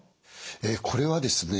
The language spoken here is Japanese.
これはですね